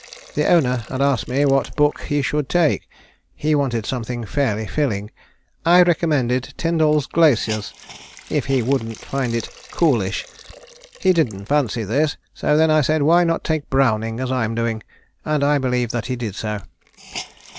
The Owner had asked me what book he should take. He wanted something fairly filling. I recommended Tyndall's Glaciers if he wouldn't find it 'coolish.' He didn't fancy this! So then I said, 'Why not take Browning, as I'm doing?' And I believe that he did so.